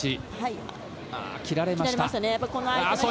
切られました。